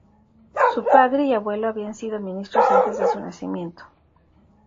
Su padre y abuelo habían sido ministros antes de su nacimiento.